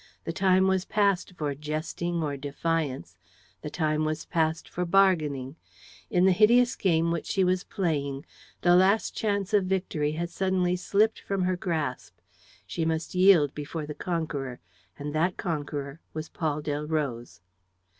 The time was past for jesting or defiance. The time was past for bargaining. In the hideous game which she was playing, the last chance of victory had suddenly slipped from her grasp. She must yield before the conqueror; and that conqueror was Paul Delroze.